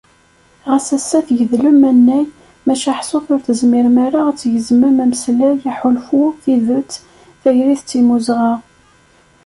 Ɣas ass-a tgedlem annay, maca ḥṣut ur tezmirem ara ad tgezmem ameslay, aḥulfu, tidet, tayri d timmuzɣa.